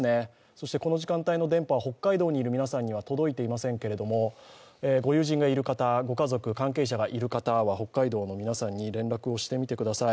そして、この時間帯の電波は北海道にいる皆さんには届いていませんけど、ご友人がいる方、ご家族、関係者がいる方は、北海道の皆さんに、連絡をしてください。